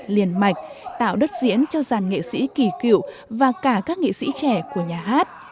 liền mạch tạo đất diễn cho dàn nghệ sĩ kỳ cựu và cả các nghệ sĩ trẻ của nhà hát